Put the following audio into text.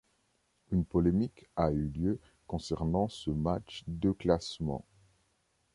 Une polémique a eu lieu concernant ce match de classement.